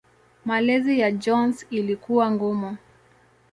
Malezi ya Jones ilikuwa ngumu.